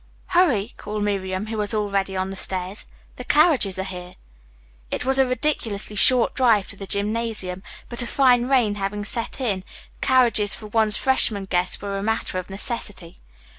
"Hurry," called Miriam, who was already on the stairs. "The carriages are here." It was a ridiculously short drive to the gymnasium, but, a fine rain having set in, carriages for one's freshmen guests were a matter of necessity.